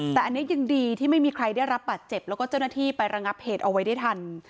แต่อันนี้ยังดีที่ไม่มีใครได้รับบาดเจ็บแล้วก็เจ้าหน้าที่ไประงับเหตุเอาไว้ได้ทัน